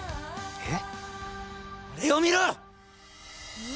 えっ！？